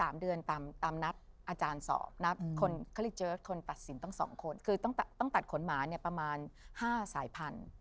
เป็นสอบประมาณ๕สายพันธุ์